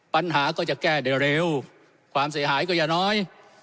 ปัญหาก็จะแก้ได้เร็วความเสียหายก็อย่าน้อย